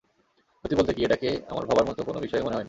সত্যি বলতে কি, এটাকে আমার ভাবার মতো কোনো বিষয়ই মনে হয়নি।